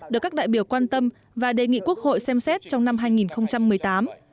được các đại biểu quan tâm và đề nghị quốc hội xem xét trong năm hai nghìn một mươi tám